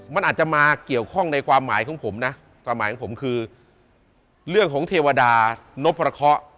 มันอาจจะมาเกี่ยวข้องในความหมายของผมนะความหมายของผมคือเรื่องของเทวดานพพระเคาะ